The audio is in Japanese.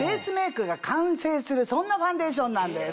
そんなファンデーションなんです。